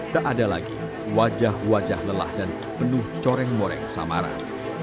tak ada lagi wajah wajah lelah dan penuh coreng moreng samaran